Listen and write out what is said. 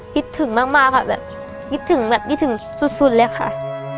คิดถึงมากค่ะแบบคิดถึงแบบคิดถึงสุดเลยค่ะ